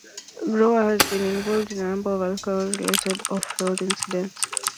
Gower has been involved in a number of alcohol-related off-field incidents.